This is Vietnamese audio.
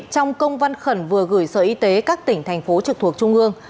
trong công văn khẩn vừa gửi sở y tế các tỉnh thành phố trực thuộc trung ương